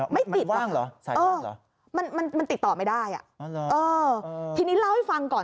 ไม่ติดหรอกค่ะเออมันติดต่อไม่ได้เออทีนี้เล่าให้ฟังก่อน